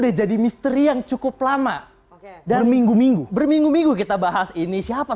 udah jadi misteri yang cukup lama oke dan minggu minggu berminggu minggu kita bahas ini siapa